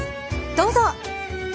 どうぞ。